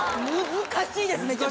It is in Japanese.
難しいですね。